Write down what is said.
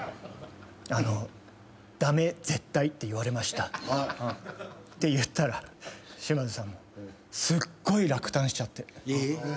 あの「駄目絶対」って言われましたって言ったら島津さんすっごい落胆しちゃって。